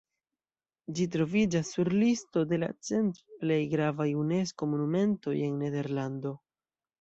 Ĝi troviĝas sur listo de la cent plej gravaj Unesko-monumentoj en Nederlando.